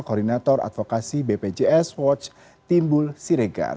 koordinator advokasi bpjs watch timbul siregar